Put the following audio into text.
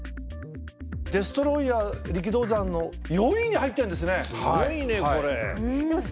「デストロイヤー力道山」の４位に入ってるんですね。